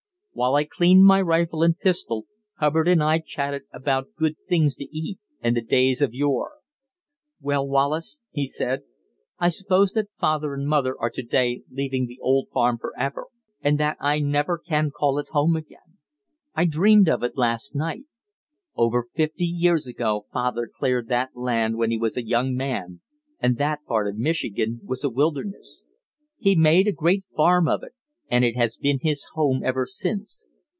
While I cleaned my rifle and pistol, Hubbard and I chatted about good things to eat and the days of yore. "Well, Wallace," he said, "I suppose that father and mother are to day leaving the old farm forever, and that I never can call it home again. I dreamed of it last night. Over fifty years ago father cleared that land when he was a young man and that part of Michigan was a wilderness. He made a great farm of it, and it has been his home ever since.